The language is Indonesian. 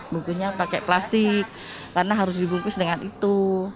bukunya pakai plastik karena harus dibungkus dengan itu